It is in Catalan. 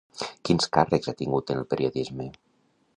Quins càrrecs ha tingut en el periodisme?